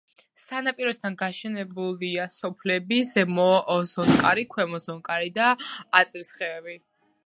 სანაპიროსთან გაშენებულია სოფლები: ზემო ზონკარი, ქვემო ზონკარი და აწრისხევი.